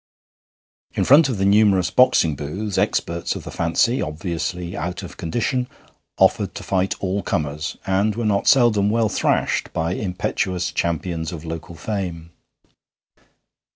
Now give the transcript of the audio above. In front of the numerous boxing booths experts of the 'fancy,' obviously out of condition, offered to fight all comers, and were not seldom well thrashed by impetuous champions of local fame.